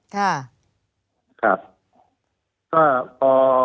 ค่ะนะครับก็พอ